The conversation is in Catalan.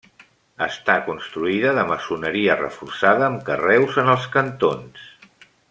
Està construïda de maçoneria reforçada amb carreus en els cantons.